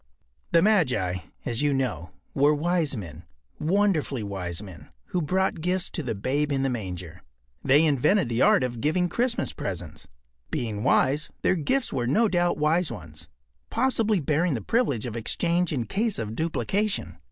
” The magi, as you know, were wise men—wonderfully wise men—who brought gifts to the Babe in the manger. They invented the art of giving Christmas presents. Being wise, their gifts were no doubt wise ones, possibly bearing the privilege of exchange in case of duplication.